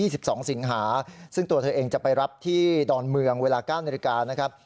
๒๒สิงหาซึ่งตัวเธอเองจะไปรับที่ดอนเมืองเวลา๙นาฬิกานะครับ